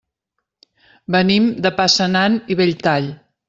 Venim de Passanant i Belltall.